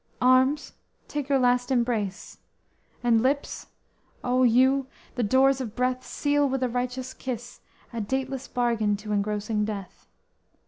Arms, take your last embrace! and lips, O, you, The doors of breath, seal with a righteous kiss A dateless bargain to engrossing death!